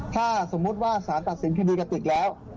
ถ้าสมมุติว่าสารตัดสินคดีกระติกแล้ว